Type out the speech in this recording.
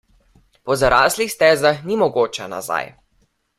Po zaraslih stezah ni mogoče nazaj.